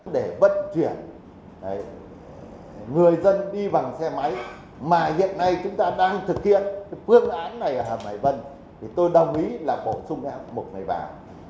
để vận chuyển người dân đi bằng xe máy mà hiện nay chúng ta đang thực hiện phương án này ở hầm hải vân tôi đồng ý là bổ sung hạng mục này vào